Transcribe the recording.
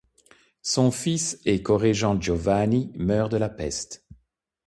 Son fils et corégent Giovanni meurt de la peste.